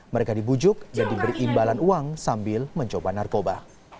mereka dibujuk dan diberi imbalan uang sambil mencoba narkoba